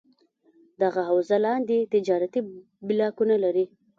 دغه حوزه لاندې تجارتي بلاکونه لري: